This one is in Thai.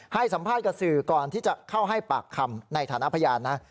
ให้สัมภาษณ์กับสื่อก่อนที่จะเข้าให้ปากคำในฐานะพยานนะ